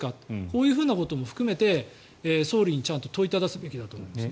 こういうふうなことを含めて総理にちゃんと問いただすべきだと思います。